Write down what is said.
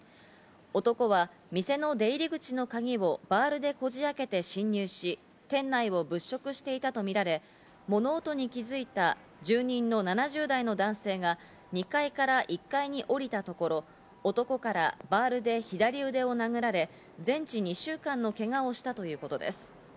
男は店の出入り口の鍵をバールでこじ開けて侵入し、店内を物色していたとみられ、物音に気づいた住人の７０代の男性が２階から１階に降りたところ、男からバールで左腕を殴られ、全治２週間のけがをしたということです。